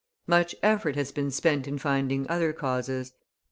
Much effort has been spent in finding other causes.